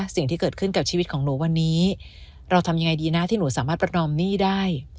สิ่งที่เกิดขึ้นกับชีวิตของหนูวันนี้เราทำยังไงดีนะที่หนูสามารถประนอมหนี้ได้